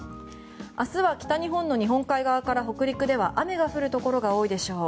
明日は北日本の日本海側から北陸では雨が降るところが多いでしょう。